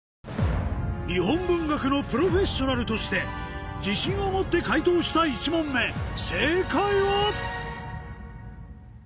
日本文学のプロフェッショナルとして自信を持って解答した１問目正解は？